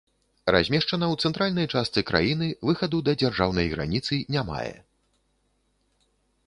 Размешчана ў цэнтральнай частцы краіны, выхаду да дзяржаўнай граніцы не мае.